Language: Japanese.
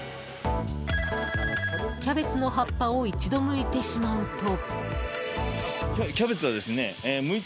キャベツの葉っぱを一度むいてしまうと。